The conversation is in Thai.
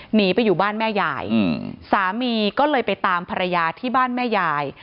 หนีไปอยู่บ้านแม่ยายสามีก็เลยไปตามภรรยาที่บ้านแม่ยาย